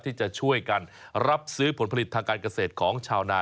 ที่จะช่วยกันรับซื้อผลผลิตทางการเกษตรของชาวนา